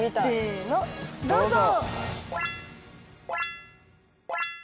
どうぞ！